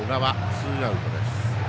ツーアウトです。